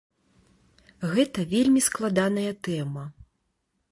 Гэта вельмі складаная тэма.